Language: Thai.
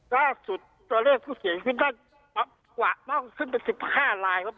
ล่าสุดตัวเลขผู้เสียชีวิตมากกว่ามากขึ้นเป็น๑๕ลายครับ